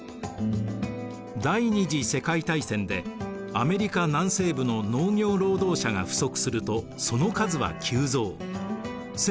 第二次世界大戦でアメリカ南西部の農業労働者が不足するとその数は急増。